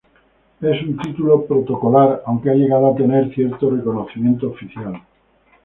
Es un título protocolar, aunque ha llegado a tener cierto reconocimiento oficial.